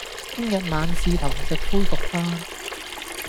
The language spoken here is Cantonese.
聽日晚市堂食恢復返